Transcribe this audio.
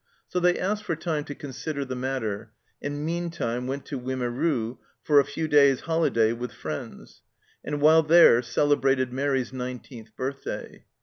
So they asked for time to consider the matter, and meantime went to Wimereux for a few days' holiday with friends, and while there celebrated Mairi's nineteenth birthday.